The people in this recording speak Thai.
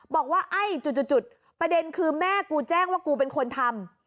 บอกว่าไอ้จุดประเด็นคือแม่กูแจ้งว่ากูเป็นคนทำ